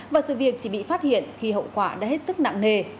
và sự việc chỉ bị phát hiện khi hậu quả đã hết sức nặng nề